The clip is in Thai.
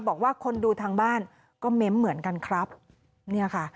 บอกว่าคนดูทางบ้านก็เม้นเหมือนกันครับเนี่ยค่ะ